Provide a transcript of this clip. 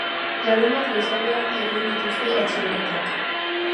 Larunbat goizaldean egin dituzte atxiloketak.